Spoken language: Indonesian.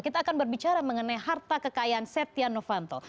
kita akan berbicara mengenai harta kekayaan setia novanto